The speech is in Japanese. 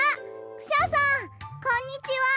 クシャさんこんにちは！